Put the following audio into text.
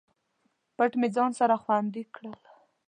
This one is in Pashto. پټ مې ځان سره خوندي کړل